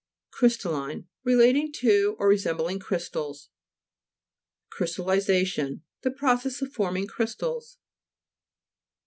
CRY'STALLINE Relating to, or re sembling crystals. CRYSTALLISA'TION The process of forming crystals.